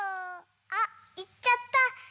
あいっちゃった。